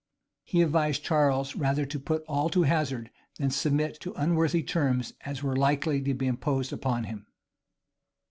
He advised Charles rather to put all to hazard, than submit to unworthy terms as were likely to be imposed upon him.